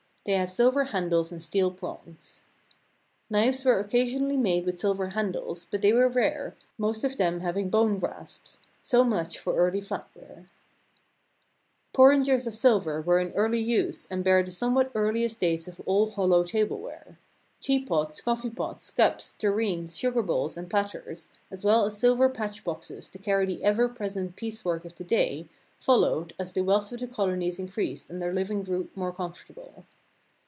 They have silver handles and steel prongs. Knives Knives were occasionally made with silver han dles, but they were rare, most of them having bone grasps. So much for early flatware. A JVedgivood Design Tea pot Porringers of silver were in early use and bear the somewhat earliest dates of all hollow tableware. Tea pots, coffee pots, cups, tureens, sugar bowls, and platters, as well as silver patch boxes to carry the ever present piecework of the day, followed, as the wealth of the colonies increased and their living grew more comfortable.